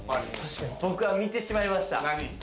僕は見てしまいました。